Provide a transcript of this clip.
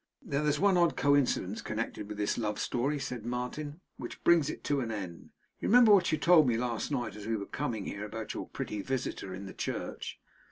'Now, there is one odd coincidence connected with this love story,' said Martin, 'which brings it to an end. You remember what you told me last night as we were coming here, about your pretty visitor in the church?